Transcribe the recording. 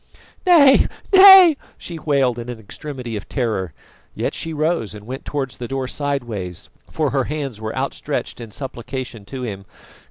"Nay, nay!" she wailed in an extremity of terror. Yet she rose and went towards the door sideways, for her hands were outstretched in supplication to him.